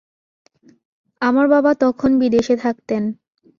আমার বাবা তখন বিদেশে থাকতেন।